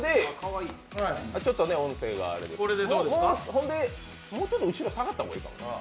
それで、もうちょっと後ろ下がった方がいいかな？